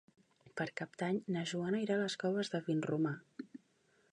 Per Cap d'Any na Joana irà a les Coves de Vinromà.